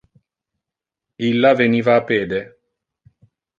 Illa veniva a pede.